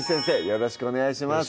よろしくお願いします